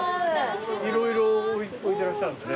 色々置いてらっしゃるんですね。